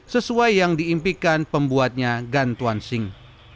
sesuai yang diimpikan pembuatnya gan tuan sing